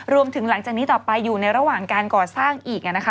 หลังจากนี้ต่อไปอยู่ในระหว่างการก่อสร้างอีก